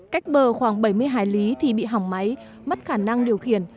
cách bờ khoảng bảy mươi hải lý thì bị hỏng máy mất khả năng điều khiển